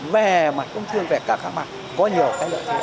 về mặt công thương về cả mặt có nhiều cái lợi thế